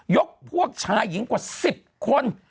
ยกพวกชายหญิงกว่า๑๐คน